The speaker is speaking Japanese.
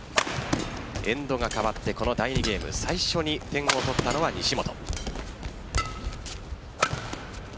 エンドが変わってこの第２ゲーム最初に点を取ったのは西本。